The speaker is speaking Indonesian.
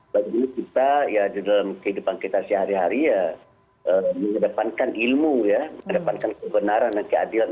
bagaimana kita ya di dalam kehidupan kita sehari hari ya mengedepankan ilmu ya mengedepankan kebenaran dan keadilan